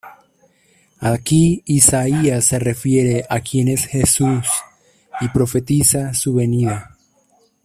Aquí Isaías se refiere a Quien es Jesús, y profetiza su venida.